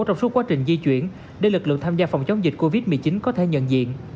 trong suốt quá trình di chuyển để lực lượng tham gia phòng chống dịch covid một mươi chín có thể nhận diện